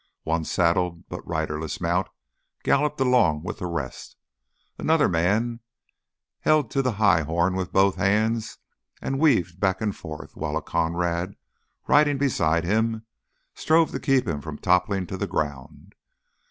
One saddled but riderless mount galloped along with the rest. Another man held to the high horn with both hands and weaved back and forth while a comrade riding beside him strove to keep him from toppling to the ground.